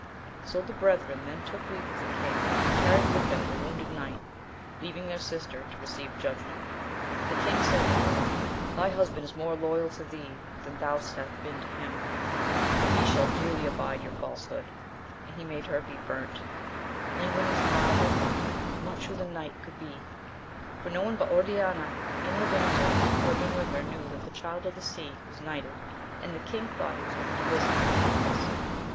So the brethren then took leave of the king, and carried with them the wounded knight, leaving their sister to receive judgment. The king said to her. Thy husband is more loyal to thee, than thou hast been to him ; but ye shall dearly abide your falsehood. And he made her be burnt. Languines marvailed much who the knight could be, for no one but Oriana, and the damsels who had been with her, knew that the Child of the Sea was knighted, and the king thought he was gone to visit Gandales.